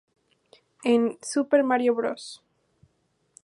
En "Super Mario Bros.